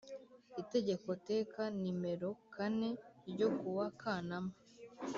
Itegeko teka nimerokane ryo ku wa Kanama